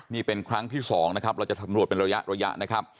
นี่เป็นครั้งที่๒นะครับเราจะสำรวจเป็นระยะนะครับ